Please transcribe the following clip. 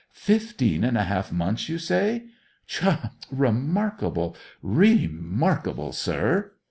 Fifteen and a half months, you say? Tcha! Remarkable; re markable, sir."